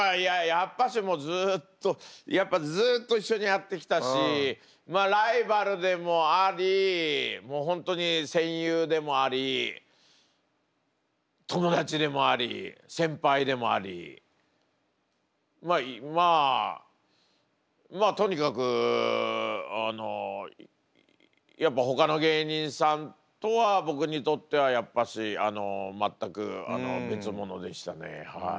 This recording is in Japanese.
やっぱしずっとやっぱずっと一緒にやってきたしライバルでもありもう本当に戦友でもあり友達でもあり先輩でもありまあまあとにかくあのやっぱほかの芸人さんとは僕にとってはやっぱし全く別物でしたねはい。